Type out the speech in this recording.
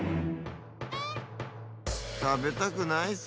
たべたくなイス。